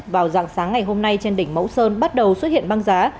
vào dạng sáng ngày hôm nay trên đỉnh mẫu sơn bắt đầu xuất hiện băng giá